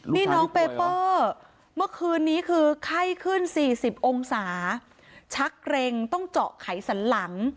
นี่น้องเปเปอร์เมื่อคืนนี้คือไข้ขึ้น๔๐องศาชักเกร็งต้องเจาะไขสันหลัง